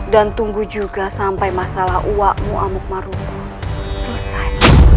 dan tunggu juga sampai masalah uakmu amuk marungku selesai